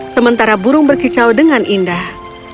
sementara burung berkicau dengan indah